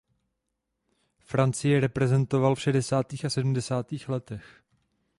Francii reprezentoval v šedesátých a sedmdesátých letech.